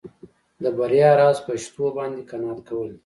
د بریا راز په شتو باندې قناعت کول دي.